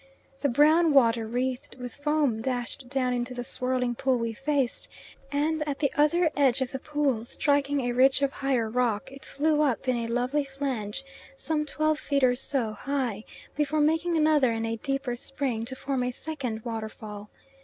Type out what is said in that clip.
The brown water wreathed with foam dashed down into the swirling pool we faced, and at the other edge of the pool, striking a ridge of higher rock, it flew up in a lovely flange some twelve feet or so high, before making another and a deeper spring to form a second waterfall.